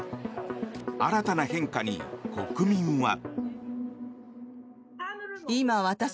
新たな変化に国民は。